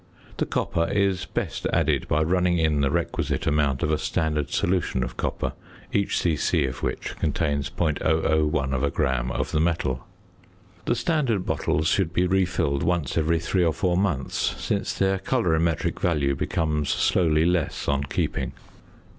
The copper is best added by running in the requisite amount of a standard solution of copper, each c.c. of which contains 0.001 gram of the metal. The standard bottles should be refilled once every three or four months, since their colorimetric value becomes slowly less on keeping.